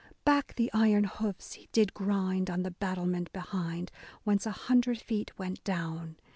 Back the iron hoofs did grind on the battlement behind Whence a hundred feet went down.